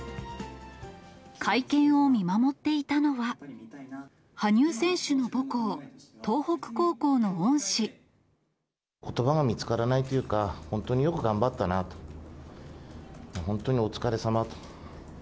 会見を見守っていたのは、羽生選手の母校、ことばが見つからないというか、本当によく頑張ったなと、本当におつかれさまと。